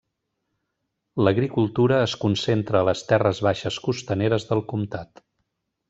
L'agricultura es concentra a les terres baixes costaneres del comtat.